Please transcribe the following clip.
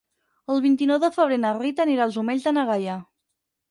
El vint-i-nou de febrer na Rita anirà als Omells de na Gaia.